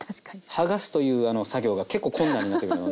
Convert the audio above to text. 剥がすというあの作業が結構困難になってくるので。